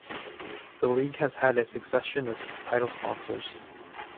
The league has had a succession of title sponsors.